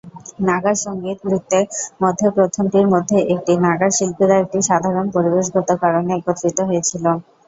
নাগা সংগীত বৃত্তের মধ্যে প্রথমটির মধ্যে একটি, নাগা শিল্পীরা একটি সাধারণ পরিবেশগত কারণে একত্রিত হয়েছিল।